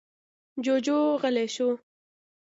جوجو غلی شو.